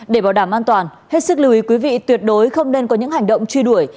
để bảo đảm an toàn hết sức lưu ý quý vị tuyệt đối không nên có những hành động truy đuổi